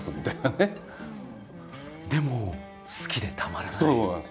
でも好きでたまらない。